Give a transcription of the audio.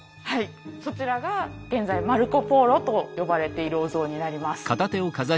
はいそちらが現在マルコ・ポーロと呼ばれているお像になります。